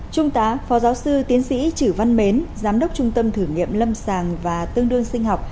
trung tá phó giáo sư tiến sĩ chử văn mến giám đốc trung tâm thử nghiệm lâm sàng và tương đương sinh học